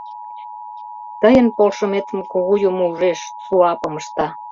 Тыйын полшыметым кугу юмо ужеш, суапым ышта.